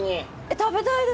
食べたいです。